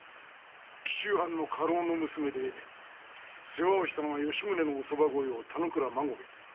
紀州藩の家老の娘で世話をしたのが吉宗のお側御用田之倉孫兵衛だ。